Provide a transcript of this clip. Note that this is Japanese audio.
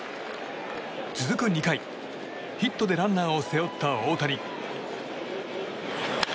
続く２回、ヒットでランナーを背負った大谷。